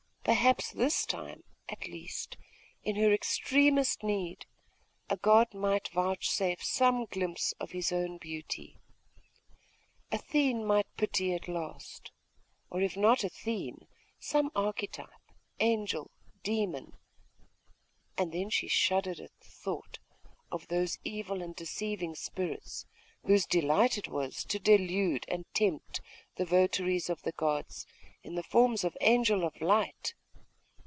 Perhaps this time, at least, in her extremest need, a god might vouchsafe some glimpse of his own beauty .... Athene might pity at last.... Or, if not Athene, some archetype, angel, demon.... And then she shuddered at the thought of those evil and deceiving spirits, whose delight it was to delude and tempt the votaries of the gods, in the forms of angels of light.